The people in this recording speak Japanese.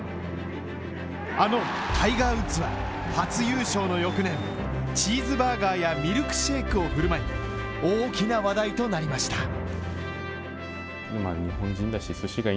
あのタイガー・ウッズは初優勝の翌年、チーズバーガーやミルクシェイクを振る舞い大きな話題となりました。